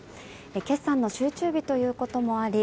決算の集中日ということもあり